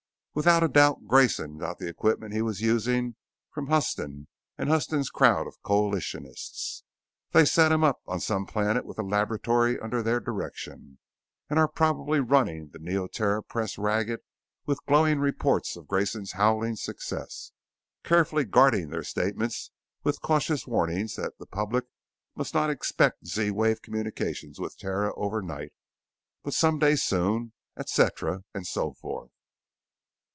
"Without a doubt Grayson got the equipment he was using from Huston and Huston's crowd of coalitionists. They set him up on some planet with a laboratory under their direction, and are probably running the Neoterran Press ragged with glowing reports of Grayson's howling success carefully guarding their statements with cautious warnings that The Public must not expect Z wave communications with Terra overnight, but someday soon et cetera, and so forth."